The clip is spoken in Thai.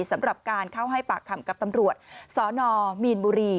สำหรับการเข้าให้ปากคำกับตำรวจสนมีนบุรี